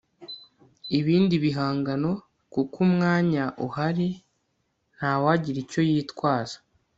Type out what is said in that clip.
ibindi bihangano kuko 'umwanya uhari nta wagira icyo yitwaza